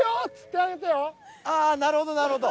ああなるほどなるほど。